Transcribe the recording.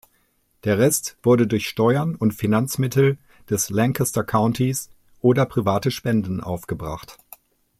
Der Rest wurde durch Steuern und Finanzmittel des Lancaster Countys oder private Spenden aufgebracht.